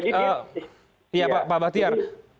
iya pak batiar